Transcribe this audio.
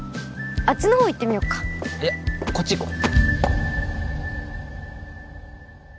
あっちのほう行ってみようかいやこっち行こう